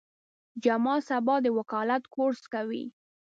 جمال سبا د وکالت کورس کوي.